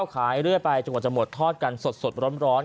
ขายเรื่อยไปจนกว่าจะหมดทอดกันสดร้อน